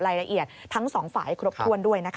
รายละเอียดทั้ง๒ฝ่ายครบถ้วนด้วยนะครับ